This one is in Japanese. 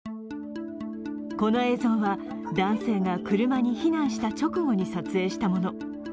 この映像は、男性が車に避難した直後に撮影したもの。